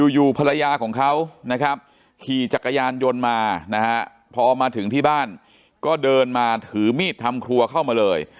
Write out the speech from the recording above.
อยู่ภรรยาของเขานะครับขี่จักรยานยนต์มานะฮะพอมาถึงที่บ้านก็เดินมาถือมีดทำครัวเข้ามาเลย